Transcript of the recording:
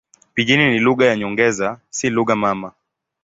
Pijini ni lugha za nyongeza, si lugha mama.